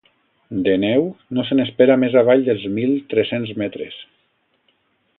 De neu, no se n’espera més avall dels mil tres-cents metres.